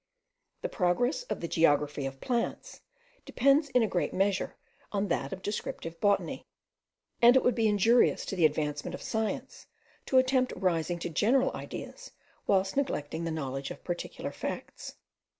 The progress of the geography of plants depends in a great measure on that of descriptive botany; and it would be injurious to the advancement of science, to attempt rising to general ideas, whilst neglecting the knowledge of particular facts.